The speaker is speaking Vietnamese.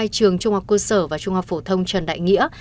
hai trường trung học cơ sở và trung học phổ thông trần đại nghĩa